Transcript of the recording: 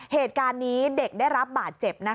เหตุการณ์นี้เด็กได้รับบาดเจ็บ